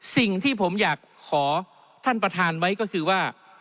สิ่งที่ผมอยากขอท่านประธานไว้ก็คือว่า